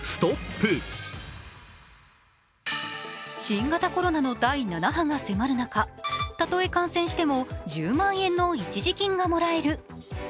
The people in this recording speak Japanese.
新型コロナの第７波が迫る中たとえ感染しても１０万円の一時金がもらえる。